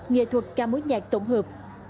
nghệ thuật ca mối nhạc tổng hợp